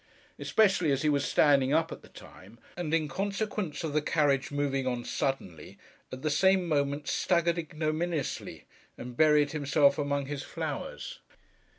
Especially, as he was standing up at the time; and in consequence of the carriage moving on suddenly, at the same moment, staggered ignominiously, and buried himself among his flowers.